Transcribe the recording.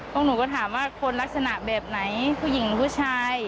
พวกหนูก็ถามว่าคนลักษณะแบบไหนผู้หญิงหรือผู้ชาย